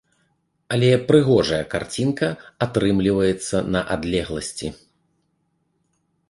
Але прыгожая карцінка атрымліваецца на адлегласці.